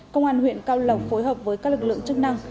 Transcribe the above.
công an huyện cao lộc phối hợp với các lực lượng chức năng